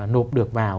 nộp được vào